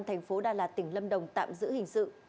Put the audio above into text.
thành phố đà lạt tỉnh lâm đồng tạm giữ hình sự